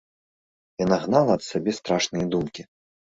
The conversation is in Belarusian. Яна гнала ад сябе страшныя думкі.